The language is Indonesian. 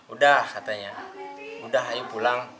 udah katanya udah ayo pulang